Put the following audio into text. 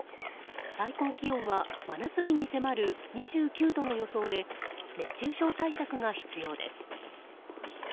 最高気温は真夏日に迫る２９度の予想で熱中症対策が必要です。